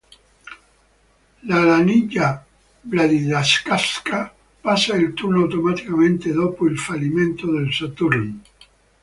L'Alanija Vladikavkaz passa il turno automaticamente dopo il fallimento del Saturn.